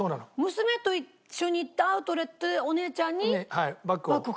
娘と一緒に行ったアウトレットでお姉ちゃんにバッグを買う？